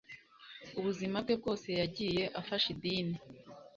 ubuzima bwe bwose Yagiye afasha idini